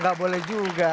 tidak boleh juga